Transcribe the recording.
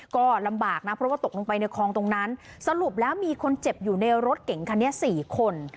ก็ลำบากนะเพราะว่าตกลงไปในคลองตรงนั้นสรุปแล้วมีคนเจ็บอยู่ในรถเก่งคันนี้สี่คน